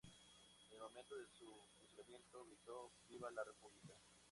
En el momento de su fusilamiento gritó: "¡Viva la República!